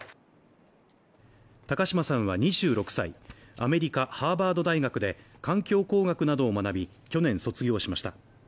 高島さんは２６歳、アメリカハーバード大学で環境工学などを学び、去年卒業しました。